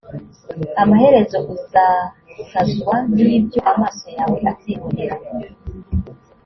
amaherezo uzasazwa n’ibyo amaso yawe azibonera.